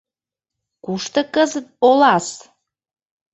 Кушто кызыт Олас?